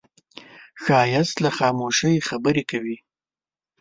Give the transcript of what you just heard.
ښایست له خاموشۍ خبرې کوي